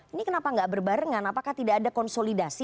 ini kenapa gak berbarengan apakah tidak ada konsolidasi